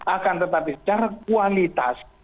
akan tetapi secara kualitas